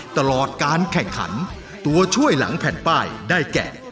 ตลอดการแข่งขันตัวช่วยหลังแผ่นป้ายได้แก่